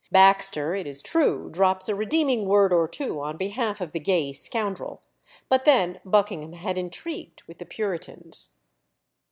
Baxter, it is true, drops a redeeming word or two on behalf of the gay scoundrel; but then Buckingham had intrigued with the Puritans.